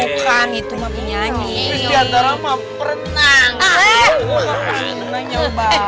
nggak pernah nanya mbak